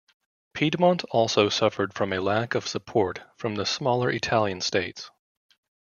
Piedmont also suffered from a lack of support from the smaller Italian states.